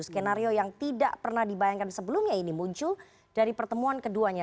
skenario yang tidak pernah dibayangkan sebelumnya ini muncul dari pertemuan keduanya